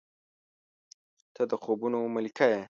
• ته د خوبونو ملکې یې.